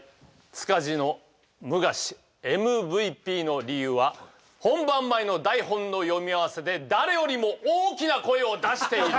塚地の武雅氏ＭＶＰの理由は本番前の台本の読み合わせで誰よりも大きな声を出している！